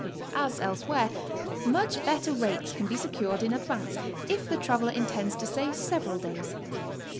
As elsewhere, much better rates can be secured, in advance, if the traveler intends to stay several days.